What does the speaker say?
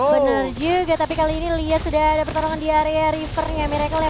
benar juga tapi kali ini lihat sudah ada pertarungan di area rivernya miracle ya